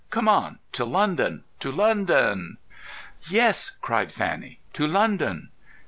Come on—to London—to London!" "Yes," cried Fanny, "to London!"